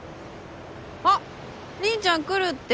あっ凛ちゃん来るって。